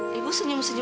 masih pandian semuanya